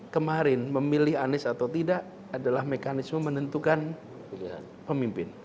kemarin memilih anies atau tidak adalah mekanisme menentukan pemimpin